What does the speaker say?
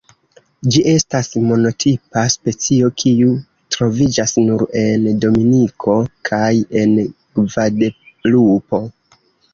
Ĝi estas monotipa specio kiu troviĝas nur en Dominiko kaj en Gvadelupo.